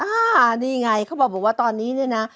นี่ไงเขาบอกว่าตอนนี้เนี่ยนะ